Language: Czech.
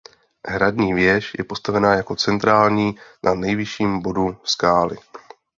Hradní věž je postavena jako centrální na nejvyšším bodu skály.